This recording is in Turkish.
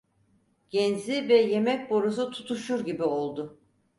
Genzi ve yemek borusu tutuşur gibi oldu.